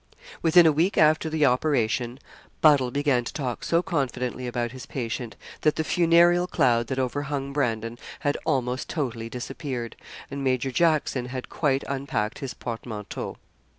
Within a week after the operation, Buddle began to talk so confidently about his patient, that the funereal cloud that overhung Brandon had almost totally disappeared, and Major Jackson had quite unpacked his portmanteau.